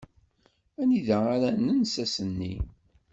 Anida ara nens ass-nni?